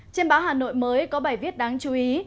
trên báo hà nội mới có bài viết đáng chú ý